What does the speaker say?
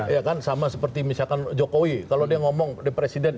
ya kan sama seperti misalkan jokowi kalau dia ngomong di presiden